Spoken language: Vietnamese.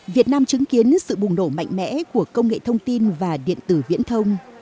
việt nam chứng kiến sự bùng nổ mạnh mẽ của công nghệ thông tin và điện tử viễn thông